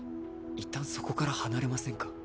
いったんそこから離れませんか？